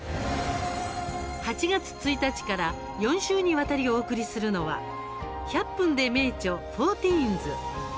８月１日から４週にわたりお送りするのは「１００分ｄｅ名著ｆｏｒティーンズ」。